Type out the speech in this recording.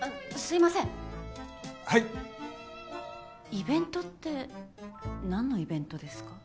イベントって何のイベントですか？